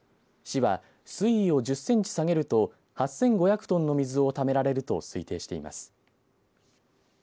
市は、水位を１０センチ下げると８５００トンの水をためられると推定しています。